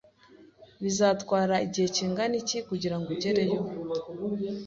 Bizatwara igihe kingana iki kugirango ugereyo?